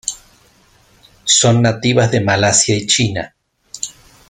Son nativas de Malasia y China.